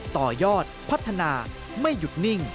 ต่อยอดพัฒนาไม่หยุดนิ่ง